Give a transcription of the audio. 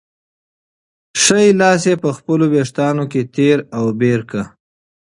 ښی لاس یې په خپلو وېښتانو کې تېر او بېر کړ.